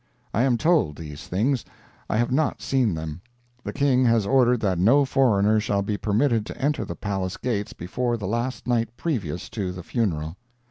I am told these things. I have not seen them. The King has ordered that no foreigner shall be permitted to enter the palace gates before the last night previous to the funeral.